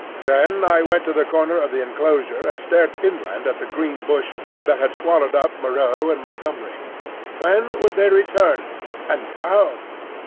Then I went to the corner of the enclosure and stared inland at the green bush that had swallowed up Moreau and Montgomery. When would they return, and how?